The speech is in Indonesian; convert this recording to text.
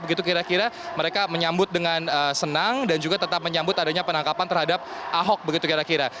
begitu kira kira mereka menyambut dengan senang dan juga tetap menyambut adanya penangkapan terhadap ahok begitu kira kira